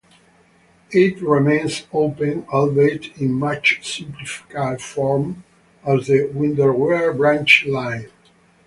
It remains open, albeit in much simplified form, as the Windermere Branch Line.